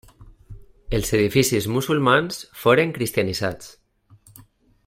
Els edificis musulmans foren cristianitzats.